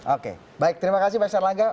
oke baik terima kasih mas erlangga